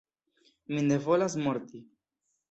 Mi ne volas morti!